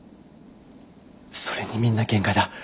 それにみんな限界だ